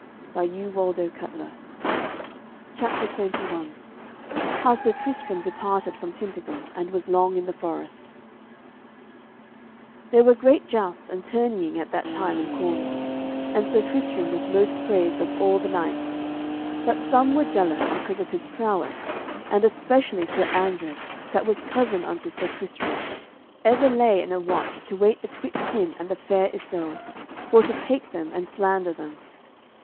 Lievest: dearest. CHAPTER XXI HOW SIR TRISTRAM DEPARTED FROM TINTAGIL, AND WAS LONG IN THE FOREST There were great jousts and tourneying at that time in Cornwall, and Sir Tristram was most praised of all the knights. But some were jealous because of his prowess, and especially Sir Andred, that was cousin unto Sir Tristram, ever lay in a watch to wait betwixt him and the Fair Isoud, for to take them and slander them.